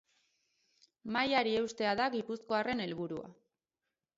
Mailari eustea da gipuzkoarren helburua.